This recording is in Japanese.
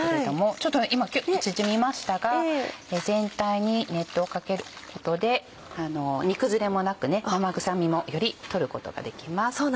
ちょっと今キュっと縮みましたが全体に熱湯をかけることで煮崩れもなく生臭みもより取ることができます。